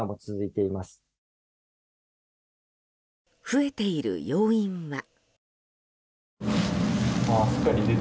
増えている要因は。